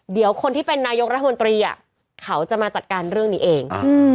เดี๋ยวคนที่เป็นนายกรัฐมนตรีเขาจะมาจัดการเรื่องนี้เอง